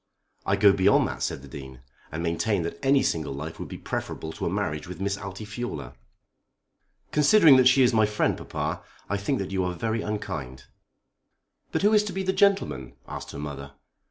"I go beyond that," said the Dean, "and maintain that any single life would be preferable to a marriage with Miss Altifiorla." "Considering that she is my friend, papa, I think that you are very unkind." "But who is to be the gentleman?" asked her mother.